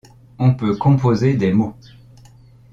On peut composer des mots.